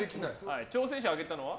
挑戦者上げたのは？